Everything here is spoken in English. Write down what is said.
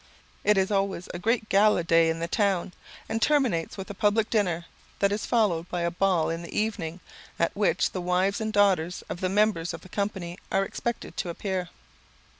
It is always a great gala day in the town, and terminates with a public dinner; that is followed by a ball in the evening, at which the wives and daughters of the members of the company are expected to appear.